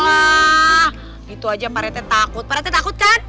ah gitu aja pak rete takut pak rete takut kan